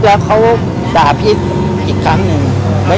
แล้วเขาด่าพี่อีกครั้งหนึ่ง